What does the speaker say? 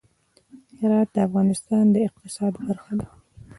هرات د افغانستان د اقتصاد برخه ده.